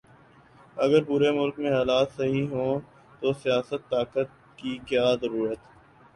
اگر پورے ملک میں حالات صحیح ھوں تو سیاست، طاقت، کی کیا ضرورت